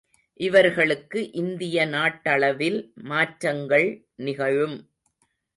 இவர்களுக்கு இந்திய நாட்டளவில் மாற்றங்கள் நிகழும்.